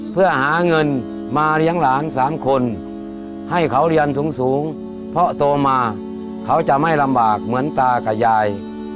เพื่อหาเงินมาเลี้ยงหลาน๓คนให้เขาเรียนสูงเพราะโตมาเขาจะไม่ลำบากเหมือนตากับยาย